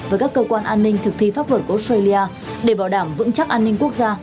với các cơ quan an ninh thực thi pháp luật australia để bảo đảm vững chắc an ninh quốc gia